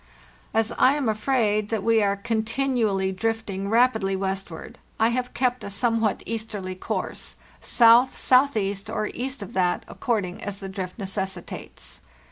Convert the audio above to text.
"As I am afraid that we are continually drifting rap idly westward, I have kept a somewhat easterly course 218 FARTHEST NORTH S.S.E. or east of that, according as the drift necessitates.